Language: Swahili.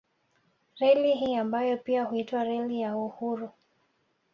Reli hii ambayo pia huitwa Reli ya Uhuru